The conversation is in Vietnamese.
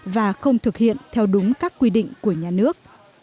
và không thực hiện theo đúng các quy định của nhà nước